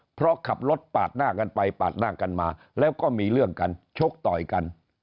เพราะขับรถปาดหน้ากันไปปาดหน้ากันมาแล้วก็มีเรื่องกันชกต่อยกัน